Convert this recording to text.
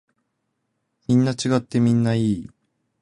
みんな違ってみんないい。